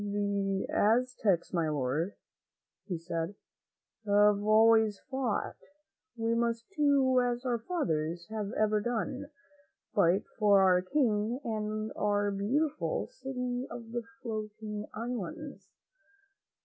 "The Aztecs, my Lord," he said, " have always fought. We must do as our fathers have ever done, fight for our King and our beautiful 'City of the Floating Islands.'"